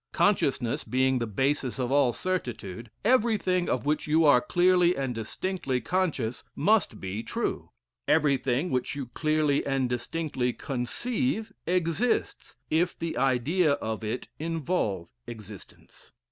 Consciousness being the basis of all certitude, everything of which you are clearly and distinctly conscious must be true: everything which you clearly and distinctly conceive, exists, if the idea of it involve existence."